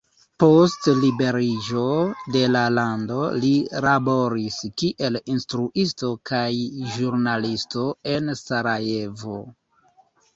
Post liberiĝo de la lando li laboris kiel instruisto kaj ĵurnalisto en Sarajevo.